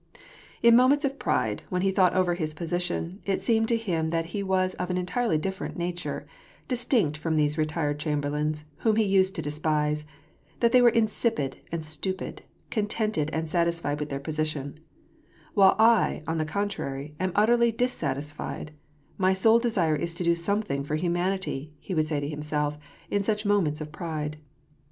In moments of pride, when he thought over his position, it seemed to him that he was of an entirely different nature, distinct from these retired chamberlains, whom he used to despise; that they were insipid and stupid, contented and satisfied with their position :" While I, on the contrary, ai|^ utterly dissatisfied; my sole desire is to do something for humanity," he would say to himself, in such moments of pride.